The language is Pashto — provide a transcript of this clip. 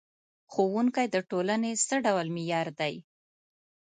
ښوونکی د ټولنې څه ډول معمار دی؟